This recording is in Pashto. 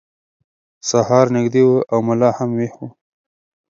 سهار نږدې و او ملا هم ویښ و.